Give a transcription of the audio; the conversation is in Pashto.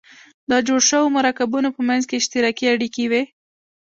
د جوړو شوو مرکبونو په منځ کې اشتراکي اړیکې وي.